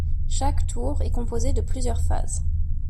Chaque tour est composé de plusieurs phases.